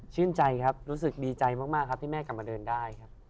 ชื่นใจครับรู้สึกดีใจมากครับที่แม่กลับมาเดินได้ครับ